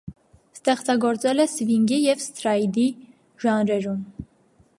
Ստեղծագործել է սվինգի և սթրայդի ժանրերում։